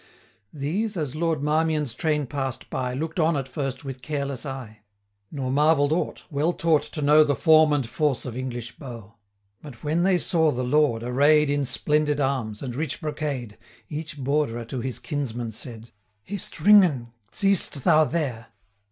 85 These, as Lord Marmion's train pass'd by, Look'd on at first with careless eye, Nor marvell'd aught, well taught to know The form and force of English bow. But when they saw the Lord array'd 90 In splendid arms, and rich brocade, Each Borderer to his kinsman said, 'Hist, Ringan! seest thou there!